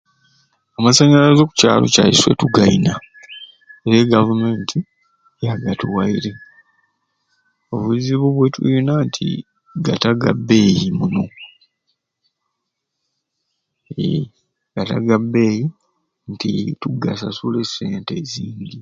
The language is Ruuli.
Amasanyalaze okukyalo kyaiswe tigayina era e gavumenti yagatuwairye, obuzibu bwetuyina nti gata gabeeyi munoo eee gata gabeeyi nti tugasasula esente zingi.